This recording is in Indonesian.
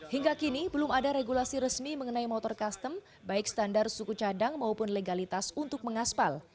hingga kini belum ada regulasi resmi mengenai motor custom baik standar suku cadang maupun legalitas untuk mengaspal